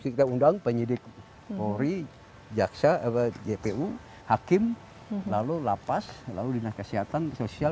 kita undang penyidik polri jpu hakim lalu lapas lalu dinas kesehatan sosial